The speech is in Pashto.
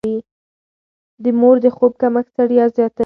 د مور د خوب کمښت ستړيا زياتوي.